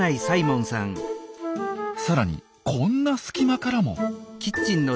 さらにこんな隙間からも。